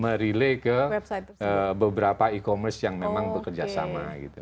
merelay ke beberapa e commerce yang memang bekerja sama gitu